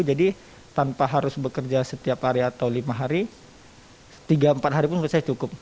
jadi tanpa harus bekerja setiap hari atau lima hari tiga empat hari pun sudah cukup